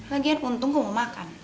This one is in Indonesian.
lagian untung kok mau makan